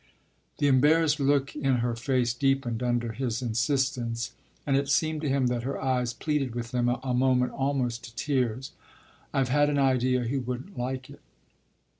The embarrassed look in her face deepened under his insistence and it seemed to him that her eyes pleaded with him a moment almost to tears. "I've had an idea he wouldn't like it."